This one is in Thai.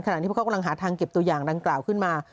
ที่พวกเขากำลังหาทางเก็บตัวอย่างดังกล่าวขึ้นมา